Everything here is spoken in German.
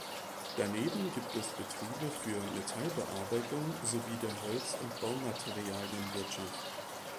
Daneben gibt es Betriebe für Metallbearbeitung sowie der Holz- und Baumaterialienwirtschaft.